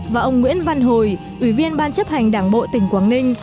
và ông nguyễn văn hồi ủy viên ban chấp hành đảng bộ tỉnh quảng ninh